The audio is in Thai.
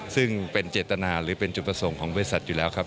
ซึ่งเป็นเจตนาหรือเป็นจุดประสงค์ของบริษัทอยู่แล้วครับ